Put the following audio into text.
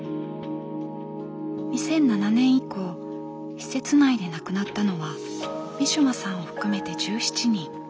２００７年以降施設内で亡くなったのはウィシュマさんを含めて１７人。